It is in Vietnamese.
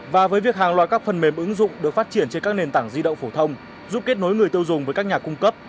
và với việc hàng loạt các phần mềm ứng dụng được phát triển trên các nền tảng di động phổ thông giúp kết nối người tiêu dùng với các nhà cung cấp